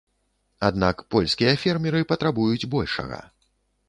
Аднак польскія фермеры патрабуюць большага.